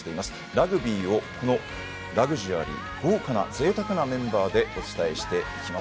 ラグビーをラグジュアリー豪華な、ぜいたくなメンバーでお伝えしていきます。